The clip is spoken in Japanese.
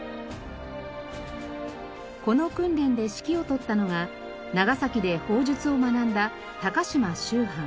この訓練で指揮を執ったのが長崎で砲術を学んだ高島秋帆。